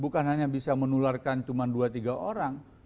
bukan hanya bisa menularkan cuma dua tiga orang